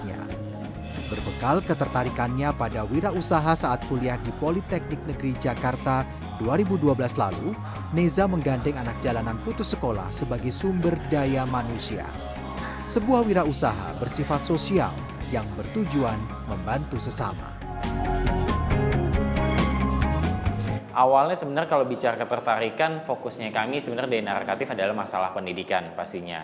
awalnya sebenarnya kalau bicara ketertarikan fokusnya kami sebenarnya denarkatif adalah masalah pendidikan pastinya